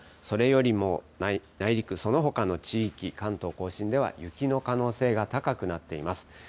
それよりも内陸、そのほかの地域、関東甲信では雪の可能性が高くなっています。